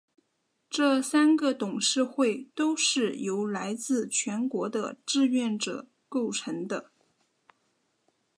这三个董事会都是由来自全国的志愿者构成的。